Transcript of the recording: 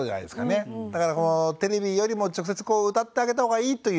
だからテレビよりも直接歌ってあげたほうがいいという。